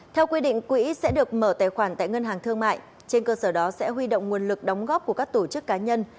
theo quy định quỹ sẽ được mở tài khoản tại ngân hàng thương mại trên cơ sở đó sẽ huy động nguồn lực đóng góp của các tổ chức cá nhân